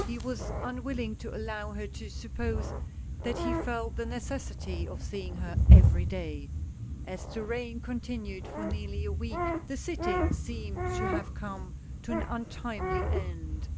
He was unwilling to allow her to suppose that he felt the necessity of seeing her every day. As the rain continued for nearly a week, the sittings seemed to have come to an untimely end.